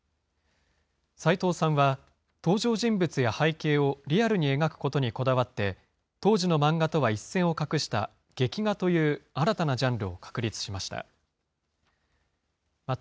さいとうさんは、登場人物や背景をリアルに描くことにこだわって、当時の漫画とは一線を画した劇画という新たなジャンルを確立しました。